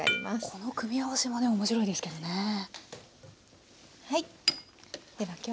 この組み合わせはね面白いですけどね。